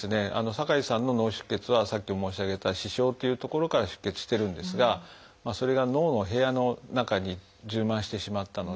酒井さんの脳出血はさっき申し上げた視床という所から出血してるんですがそれが脳の部屋の中に充満してしまったので。